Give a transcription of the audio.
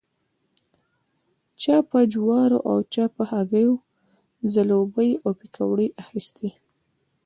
چا په جوارو او چا په هګیو ځلوبۍ او پیکوړې اخيستې.